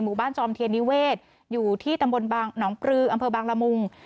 บ้านจอมเทียนนิเวศอยู่ที่ตำบลบางหนองปลืออำเภอบางละมุง